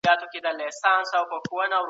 موږ بايد خپل ځان ته پام وکړو.